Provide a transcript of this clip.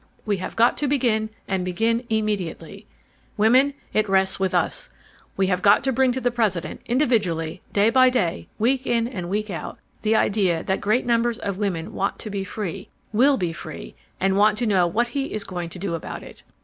We have got to begin and begin immediately. "Women, it rests with us. We have got to bring to the President, individually, day by day, week in and week out, the idea that great numbers of women want to be free, wall be free, and want to know what he is going to do about it.